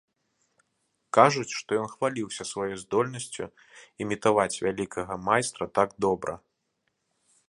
Кажуць, што ён хваліўся сваёй здольнасцю імітаваць вялікага майстра так добра.